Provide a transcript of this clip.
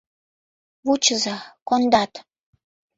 — Вучыза — кондат!